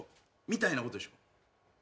みたいなことでしょ？